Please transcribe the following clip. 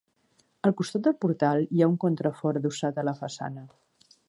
Al costat del portal hi ha un contrafort adossat a la façana.